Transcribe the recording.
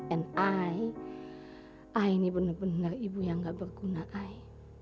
and i ah ini benar benar ibu yang gak berguna ai